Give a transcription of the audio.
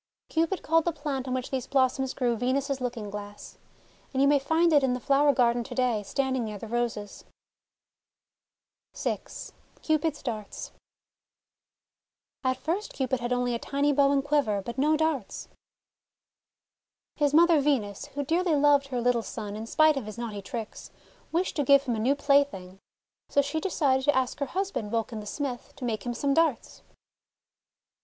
Cupid called the plant on which these blossoms grew Venus's Looking Glass; and you may find it in the flower garden to day, standing near the Roses. 60 THE WONDER GARDEN VI CUPID'S DARTS AT first Cupid had only a tiny bow and quiver, but no darts. His mother Venus, who dearly loved her little son in spite of his naughty tricks, wished to give him a new plaything. So she decided to ask her husband, Vulcan the Smith, to make him some darts.